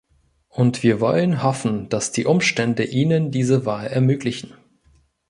Und wir wollen hoffen, dass die Umstände ihnen diese Wahl ermöglichen.